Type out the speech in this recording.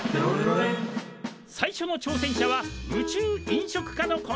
最初の挑戦者は宇宙飲食科のこの２人！